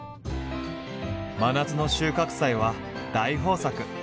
真夏の収穫祭は大豊作！